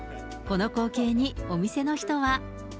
この光景に、お店の人は。